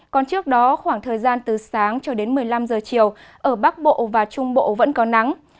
còn trước đó khoảng thời gian từ sáng cho đến một mươi năm giờ chiều ở bắc bộ và trung bộ vẫn có nắng